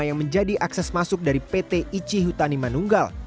yang menjadi akses masuk dari pt ichi hutanimanunggal